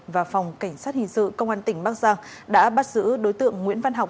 và phòng cảnh sát hình sự công an tỉnh bắc giang đã bắt giữ đối tượng nguyễn văn học